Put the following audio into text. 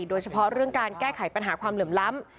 โดยเฉพาะเรื่องการแก้ไขปัญหาความเหลื่อมล้ำ